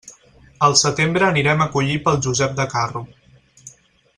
Al setembre anirem a collir pel Josep de Carro.